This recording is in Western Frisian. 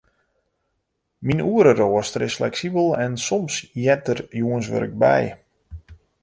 Myn oereroaster is fleksibel en soms heart der jûnswurk by.